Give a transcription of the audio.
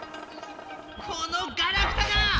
このガラクタが！